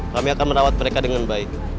kami akan merawat mereka dengan baik